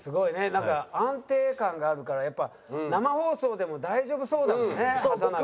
なんか安定感があるからやっぱ生放送でも大丈夫そうだもんね畠中は。